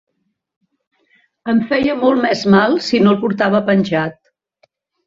Em feia molt més mal si no el portava penjat